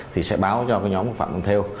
thì sẽ báo cho nhóm phạm văn thêu